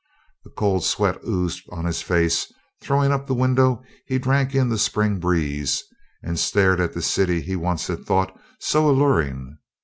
The cold sweat oozed on his face; throwing up the window, he drank in the Spring breeze, and stared at the city he once had thought so alluring.